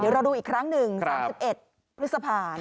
เดี๋ยวเราดูอีกครั้งหนึ่ง๓๑พฤษภา